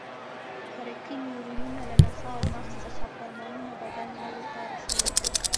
حرکي نیورونونه له نخاع او مغز څخه فرمانونه بدن غړو ته رسوي.